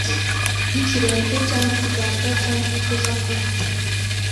Yikirenge cyangwa ikiganza, cyangwa umutwe Cyangwa umutima,